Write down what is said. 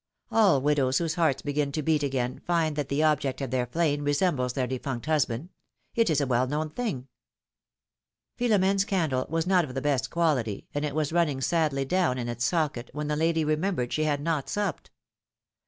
All widows, whose hearts begin to beat again, find that the object of their flame resembles their defunct husband ; it is a well known thing. Philom^ne's candle was not of the best quality, and it was running sadly down in its socket, when the lady remembered she had not supped.